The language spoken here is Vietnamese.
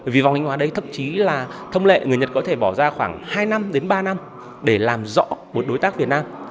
vì vòng thanh hóa đấy thậm chí là thông lệ người nhật có thể bỏ ra khoảng hai năm đến ba năm để làm rõ một đối tác việt nam